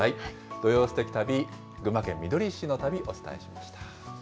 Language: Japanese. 土曜すてき旅、群馬県みどり市の旅、お伝えしました。